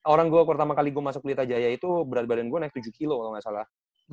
orang gue pertama kali gue masuk kulit aja ya itu berat badan gue naik tujuh kilo kalo gak salah